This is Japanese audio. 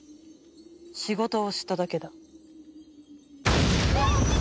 仕事をしただけだ。